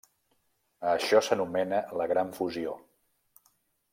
A això s'anomena la Gran Fusió.